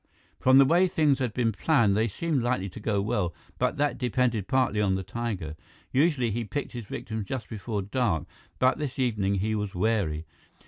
From the way things had been planned, they seemed likely to go well, but that depended partly on the tiger. Usually, he picked his victims just before dark, but this evening he was wary.